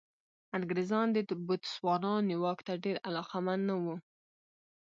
انګرېزان د بوتسوانا نیواک ته ډېر علاقمند نه وو.